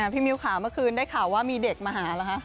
พี่มิวข่าวเมื่อคืนได้ข่าวว่ามีเด็กมาหาแล้วฮะ